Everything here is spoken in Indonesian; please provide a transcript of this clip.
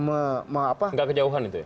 enggak kejauhan itu ya